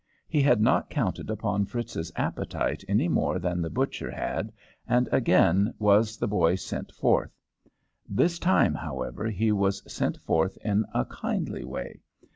He had not counted upon Fritz's appetite any more than the butcher had, and again was the boy sent forth. This time, however, he was sent forth in a kindly way.